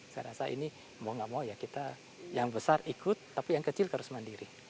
saya rasa ini mau gak mau ya kita yang besar ikut tapi yang kecil harus mandiri